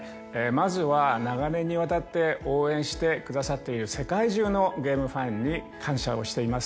まずは長年にわたって応援してくださっている世界中のゲームファンに感謝をしています。